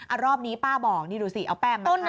อ่ะรอบนี้ป้าบอกนี่ดูสิเอาแป้มมาเอาแป้มมา